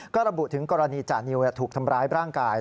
ก็ระบุถึงกรณีจานิวถูกทำร้ายร่างกาย